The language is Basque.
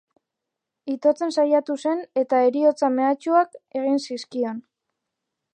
Itotzen saiatu zen eta heriotza-mehatxuak egin zizkion.